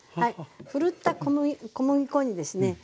ふるった小麦粉にですね